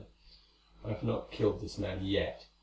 I have not killed this man yet.